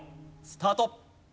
スタート。